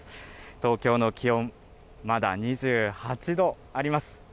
東京の気温、まだ２８度あります。